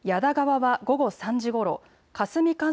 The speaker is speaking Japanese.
矢田川は午後３時ごろ